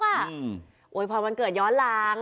โอยพรวันเกิดย้อนหลัง